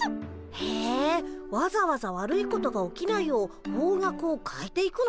へえわざわざ悪いことが起きないよう方角を変えて行くの？